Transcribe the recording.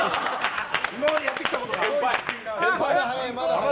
今までやってきたことが。